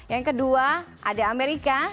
yang kedua ada amerika